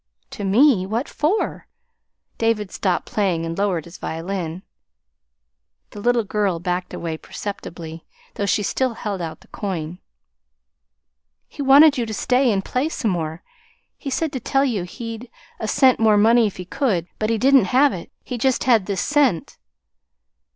"To me? What for?" David stopped playing and lowered his violin. The little girl backed away perceptibly, though she still held out the coin. "He wanted you to stay and play some more. He said to tell you he'd 'a' sent more money if he could. But he didn't have it. He just had this cent."